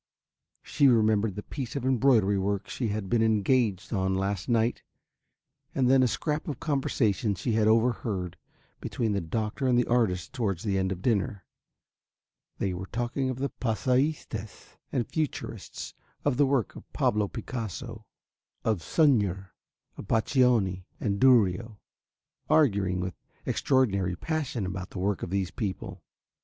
She remembered the piece of embroidery work she had been engaged on last night, and then a scrap of conversation she had overheard between the doctor and the artist towards the end of dinner, they were talking of the passéistes and futurists, of the work of Pablo Picasso, of Sunyer, of Boccioni and Durio, arguing with extraordinary passion about the work of these people.